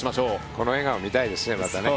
この笑顔をまた見たいですよね。